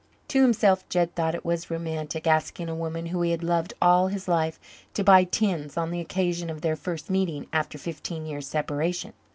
To himself, Jed thought it was romantic, asking a woman whom he had loved all his life to buy tins on the occasion of their first meeting after fifteen years' separation.